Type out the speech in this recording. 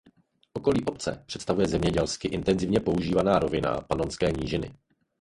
Okolí obce představuje zemědělsky intenzivně využívaná rovina Panonské nížiny.